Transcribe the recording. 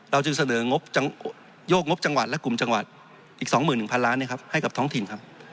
จึงเสนองบโยกงบจังหวัดและกลุ่มจังหวัดอีก๒๑๐๐ล้านให้กับท้องถิ่นครับ